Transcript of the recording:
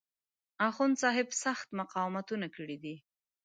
اخوندصاحب سخت مقاومتونه کړي دي.